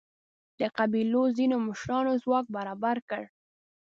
د قبیلو ځینو مشرانو ځواک برابر کړ.